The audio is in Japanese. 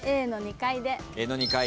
Ａの２階で。